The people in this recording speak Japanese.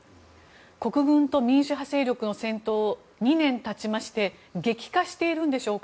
国軍と民主派勢力の戦闘は２年経ちまして激化しているんでしょうか